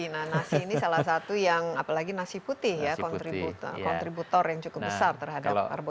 nah nasi ini salah satu yang apalagi nasi putih ya kontributor yang cukup besar terhadap karbon